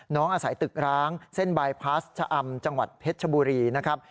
น้องอาศัยตึกร้างเส้นบายพาสชะอำจังหวัดเพชรชบุรีนะครับ